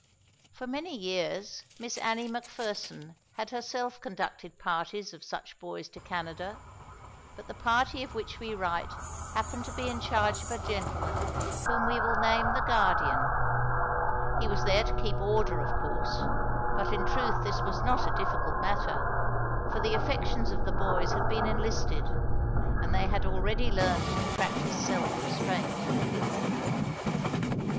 For many years Miss Annie Macpherson has herself conducted parties of such boys to Canada, but the party of which we write happened to be in charge of a gentleman whom we will name the Guardian; he was there to keep order, of course, but in truth this was not a difficult matter, for the affections of the boys had been enlisted, and they had already learned to practise self restraint.